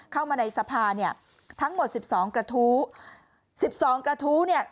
เข้ามาในสภาเนี่ยทั้งหมดสิบสองกระทู้สิบสองกระทู้เนี่ย